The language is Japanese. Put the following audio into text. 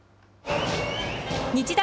日大